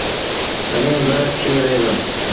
تڏهيݩ با ٿئي وهي دو۔